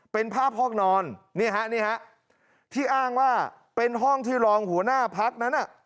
เป็นภาพห้องนอนนี่ฮะนี่ฮะที่อ้างว่าเป็นห้องที่รองหัวหน้าพักนั้น